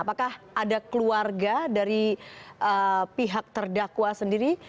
apakah ada keluarga dari pihak terdakwa sendiri